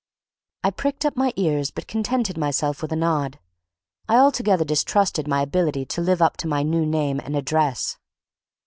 I pricked up my ears, but contented myself with a nod. I altogether distrusted my ability to live up to my new name and address.